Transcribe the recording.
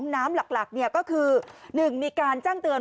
น้ำหลักก็คือ๑มีการแจ้งเตือน